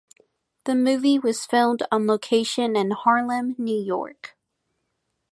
The movie was filmed on location in Harlem, New York.